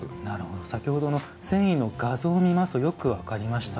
先ほどの繊維の画像を見ますとよく分かりました。